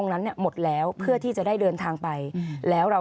ขอบคุณครับ